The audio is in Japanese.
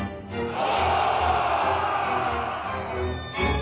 お！